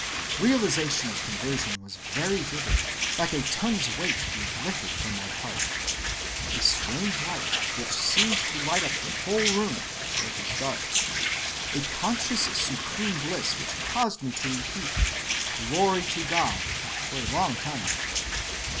Realization of conversion was very vivid, like a ton's weight being lifted from my heart; a strange light which seemed to light up the whole room (for it was dark); a conscious supreme bliss which caused me to repeat 'Glory to God' for a long time.